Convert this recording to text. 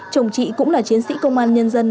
chồng chị cũng là chiến sĩ công an nhân dân